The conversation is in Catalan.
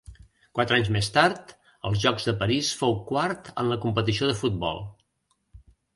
Quatre anys més tard, als Jocs de París fou quart en la competició de futbol.